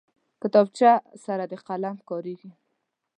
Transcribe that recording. کتابچه سره د قلم کارېږي